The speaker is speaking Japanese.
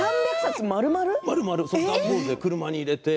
まるまる段ボールで車に入れて。